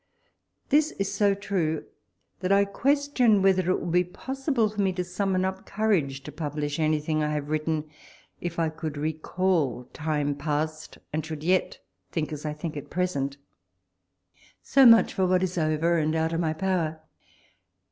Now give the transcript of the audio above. This is so true, that I question w^iether it would be possible for me to summon up courage to publish anything I have written, if I could recall time past, and should yet think as I think at present. So much for what is over and out of my power.